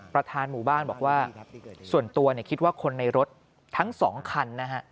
ประธานหมู่บ้านบอกว่าส่วนตัวคิดว่าคนในรถทั้ง๒คันนะฮะ